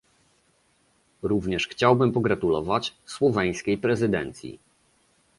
Również chciałbym pogratulować słoweńskiej prezydencji